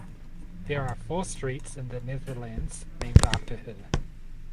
There are four streets in The Netherlands named after her.